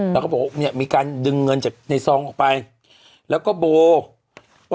แล้วก็บอกว่าเนี่ยมีการดึงเงินจากในซองออกไปแล้วก็โบ